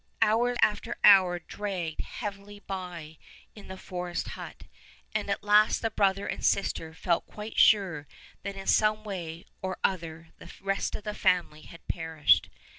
Hour after hour dragged heavily by in the forest hut, and at last the brother and sister 74 Fairy Tale Bears felt quite sure that in some way or other the rest of the family had perished.